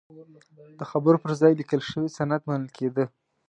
د خبرو پر ځای لیکل شوی سند منل کېده.